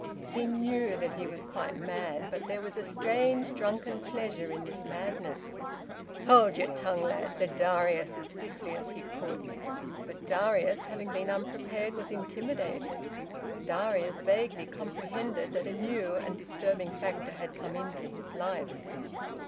He knew that he was quite mad, but there was a strange drunken pleasure in this madness. "Hold yer tongue, lad!" said Darius, as stiffly as he could. But Darius, having been unprepared, was intimidated. Darius vaguely comprehended that a new and disturbing factor had come into his life.